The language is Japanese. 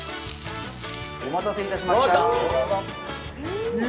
お待たせいたしました。